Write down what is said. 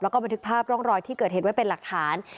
แล้วก็บันทึกภาพร่องรอยที่เกิดเหตุไว้เป็นหลักฐาน